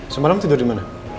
semalam tidur dimana